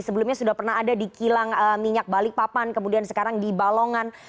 sebelumnya sudah pernah ada di kilang minyak balikpapan kemudian sekarang di balongan